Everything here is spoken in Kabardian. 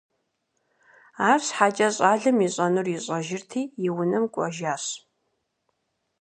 АрщхьэкӀэ щӀалэм ищӀэнур ищӀэжырти, и унэм кӀуэжащ.